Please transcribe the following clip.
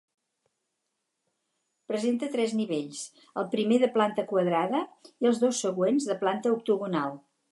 Presenta tres nivells, el primer de planta quadrada i els dos següents de planta octogonal.